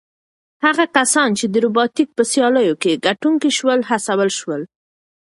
هغه کسان چې د روبوټیک په سیالیو کې ګټونکي شول هڅول شول.